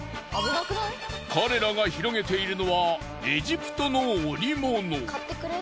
彼らが広げているのはエジプトの織物。